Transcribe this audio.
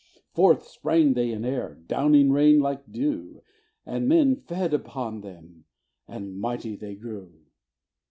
Forth sprang they in air, down raining like dew, And men fed upon them, and mighty they grew.